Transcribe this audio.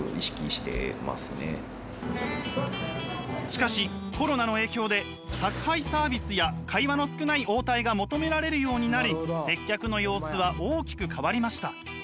しかしコロナの影響で宅配サービスや会話の少ない応対が求められるようになり接客の様子は大きく変わりました。